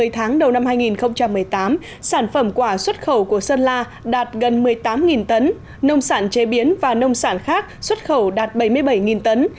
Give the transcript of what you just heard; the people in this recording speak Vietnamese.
một mươi tháng đầu năm hai nghìn một mươi tám sản phẩm quả xuất khẩu của sơn la đạt gần một mươi tám tấn nông sản chế biến và nông sản khác xuất khẩu đạt bảy mươi bảy tấn